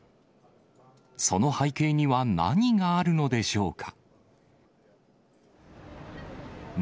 その背景には何があるのでしょうか。